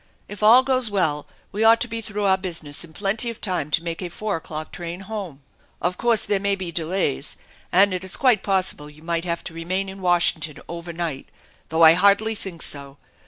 If all goes well we ought to be through our business in plenty of time to make a four o'clock train home. Of course there may be delays, and it i* THE ENCHANTED BARN 239 quite possible you might have to remain in Washington over night, though I hardly think so.